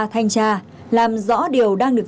thanh tra làm rõ điều đang được